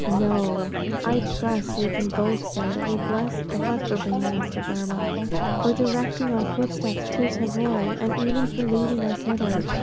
No; I trust we can both say that we bless God for bringing us to Burmah, for directing our footsteps to Tavoy, and even for leading us hither.